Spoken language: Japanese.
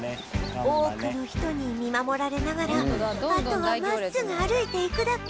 多くの人に見守られながらあとは真っすぐ歩いていくだけ